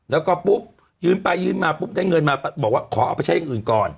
แล้วก็ปุ๊บยืนไปยืนมาปุ๊บได้เงินมาบอกว่าขอเอาไปใช้อย่างอื่นก่อน